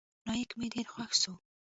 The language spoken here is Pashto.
نايک مې ډېر خوښ سو.